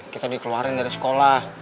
kita dikeluarin dari sekolah